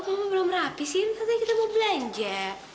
kalau belum rapi sih ini katanya kita mau belanja